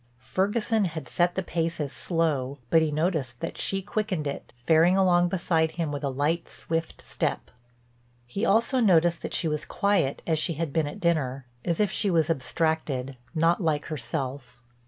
Ferguson had set the pace as slow, but he noticed that she quickened it, faring along beside him with a light, swift step. He also noticed that she was quiet, as she had been at dinner; as if she was abstracted, not like herself.